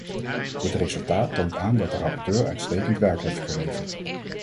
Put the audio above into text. Dit resultaat toont aan dat de rapporteur uitstekend werk heeft geleverd.